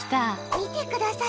見てください。